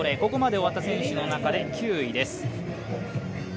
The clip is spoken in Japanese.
ここまで終わった選手の中で９位です。